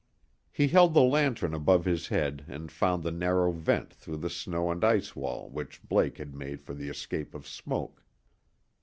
He held the lantern above his head and found the narrow vent through the snow and ice wall which Blake had made for the escape of smoke.